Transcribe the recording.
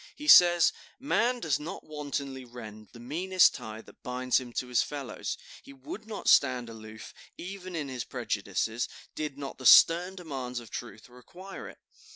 He says: "Man does not wantonly rend the meanest tie that binds him to his fellows; he would not stand aloof, even in his prejudices, did not the stern demands of truth require it.